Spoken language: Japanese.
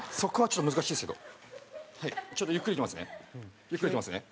ちょっとゆっくりいきますね。